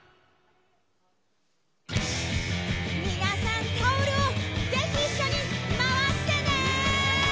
皆さん、タオルをぜひ一緒に回してねー！